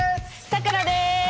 さくらです！